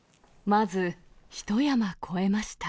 まずひと山越えました。